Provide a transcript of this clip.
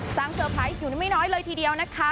สร้างเซอร์ไพรส์อยู่นิ่งไม่น้อยเลยทีเดียวนะคะ